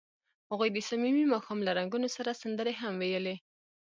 هغوی د صمیمي ماښام له رنګونو سره سندرې هم ویلې.